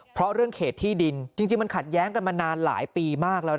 เพราะเรื่องเขตที่ดินจริงมันขัดแย้งกันมานานหลายปีมากแล้ว